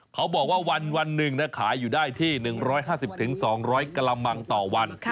เขาบอกว่าวันหนึ่งนะขายอยู่ได้ที่๑๕๐๒๐๐กระมังต่อวัน